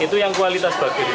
itu yang kualitas bagi